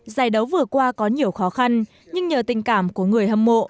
giải đấu vừa qua có nhiều khó khăn nhưng nhờ tình cảm của người hâm mộ